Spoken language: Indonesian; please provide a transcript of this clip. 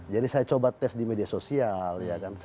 jadi saya coba tes di media sosial